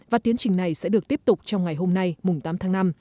và tiến trình này sẽ được tiếp tục trong ngày hôm nay mùng tám tháng năm